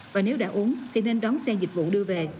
và nếu đã uống thì nên đón xe dịch vụ đưa về